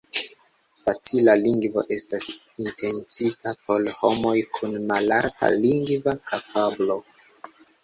Facila Lingvo estas intencita por homoj kun malalta lingva kapablo.